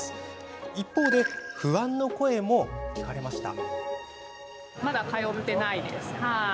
一方で不安の声も聞かれました。